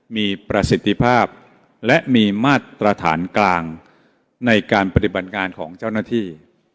มีประสิทธิภาพและมีมาตรฐานกลางในการปฏิบัติงานของเจ้าหน้าที่